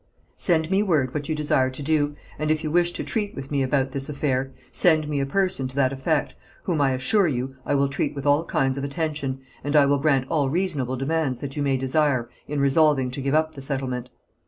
Send me word what you desire to do, and if you wish to treat with me about this affair, send me a person to that effect, whom, I assure you, I will treat with all kinds of attention, and I will grant all reasonable demands that you may desire in resolving to give up the settlement.